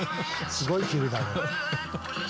すごいフィルだね。